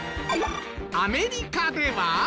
アメリカでは。